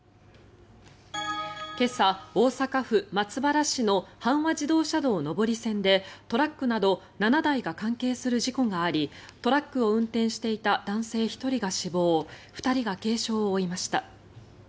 今朝、大阪府松原市の阪和自動車道上り線でトラックなど７台が関係する事故がありトラックを運転していた男性１人が死亡２人が軽傷を負いました。